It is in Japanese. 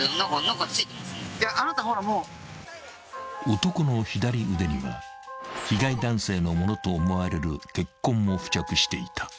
［男の左腕には被害男性のものと思われる血痕も付着していた。